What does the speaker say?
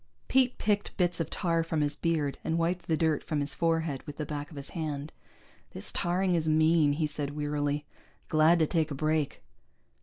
Pete picked bits of tar from his beard, and wiped the dirt from his forehead with the back of his hand. "This tarring is mean," he said wearily. "Glad to take a break."